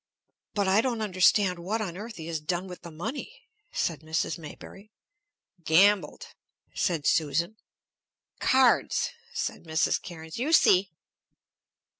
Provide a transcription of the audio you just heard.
"But I don't understand what on earth he has done with the money," said Mrs. Maybury. "Gambled," said Susan. "Cards," said Mrs. Cairnes. "You see!"